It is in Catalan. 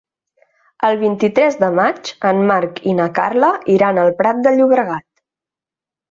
El vint-i-tres de maig en Marc i na Carla iran al Prat de Llobregat.